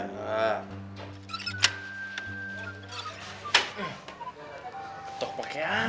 ketuk pakai apa nih